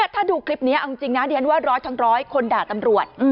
ถ้าดูคลิปนี้จริงนั้นว่า๑๐๐ทั้ง๑๐๐คนด่าตำรวจ